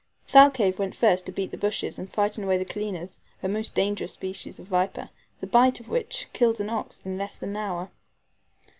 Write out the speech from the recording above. Thalcave went first to beat the bushes and frighten away the cholinas, a most dangerous species of viper, the bite of which kills an ox in less than an hour.